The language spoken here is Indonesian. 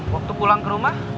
waktu pulang ke rumah